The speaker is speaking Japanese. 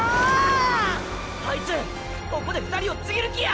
あいつここで２人をちぎる気や！